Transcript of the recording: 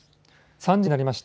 ３時になりました。